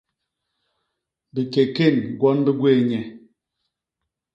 Bikékén gwon bi gwéé nye.